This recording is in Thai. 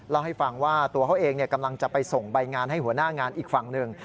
เล่าให้ฟังว่าตัวเขาเองกำลังจะไปส่งใบงานให้หัวหน้างานอีกฝั่งหนึ่ง